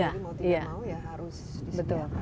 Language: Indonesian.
jadi mau tidak mau ya harus disediakan